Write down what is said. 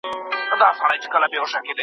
سم نیت درد نه راوړي.